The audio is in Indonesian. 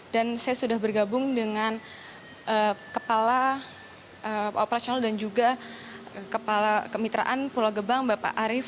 dan saya sudah bergabung dengan kepala operasional dan juga kepala kemitraan pulau gebang bapak arief